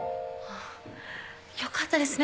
よかったですね